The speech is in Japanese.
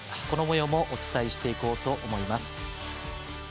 このもようもお伝えしていこうと思います。